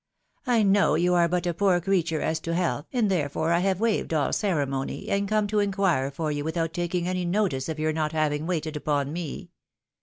" I know you are but a poor creature as to health, and therefore I have waived all ceremony, and come to inquire for you without taking any notice of your not having waited upon me.